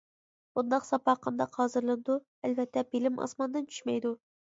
بۇنداق ساپا قانداق ھازىرلىنىدۇ؟ ئەلۋەتتە، بىلىم ئاسماندىن چۈشمەيدۇ.